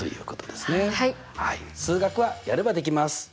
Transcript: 数学はやればできます！